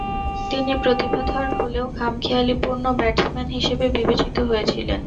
তিনি প্রতিভাধর হলেও খামখেয়ালীপূর্ণ ব্যাটসম্যান হিসেবে বিবেচিত হয়েছিলেন।